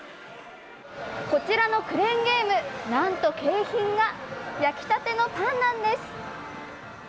こちらのクレーンゲームなんと景品が焼きたてのパンなんです！